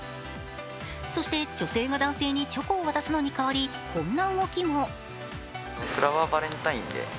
そして女性が男性にチョコを渡すのに代わりこんな動きも。